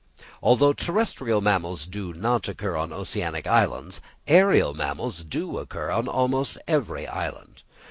Although terrestrial mammals do not occur on oceanic islands, aërial mammals do occur on almost every island.